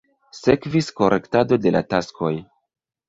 Sekvis korektado de la taskoj.